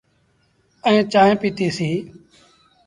ائيٚݩ چآنه پيٚتيٚسيٚݩ۔